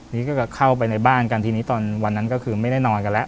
นี่ก็เข้าไปในบ้านกันทีนี้ตอนวันนั้นก็คือไม่ได้นอนกันแล้ว